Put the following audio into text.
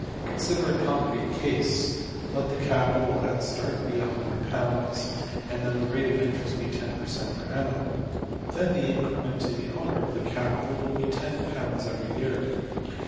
} Consider a concrete case. Let the capital at start be~£$100$, and let the rate of interest be $10$~per~cent.\ per~annum. Then the increment to the owner of the capital will be £$10$ every year.